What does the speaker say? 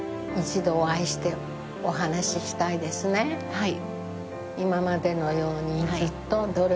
はい。